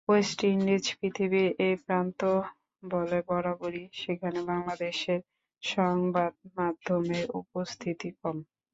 West Indies পৃথিবীর ও প্রান্তে বলে বরাবরই সেখানে বাংলাদেশের সংবাদমাধ্যমের উপস্থিতি কম।